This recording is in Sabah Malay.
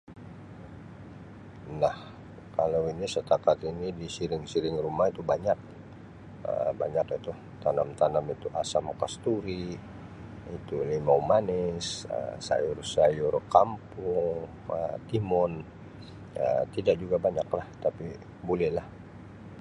Nah kalau ni setakat ini di siling-siling rumah itu banyak Um banyak itu tanam-tanam itu asam kasturi, itu limau manis, Um sayur-sayur kampung, Um timun, Um tida juga banyaklah tapi bulehlah.